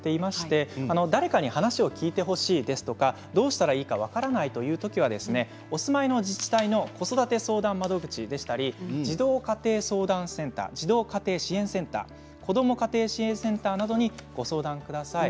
誰かに話を聞いてほしいとかどうしたらいいか分からないというときは、お住まいの自治体の子育て相談窓口でしたり児童家庭相談センター子ども家庭支援センターなどにご相談ください。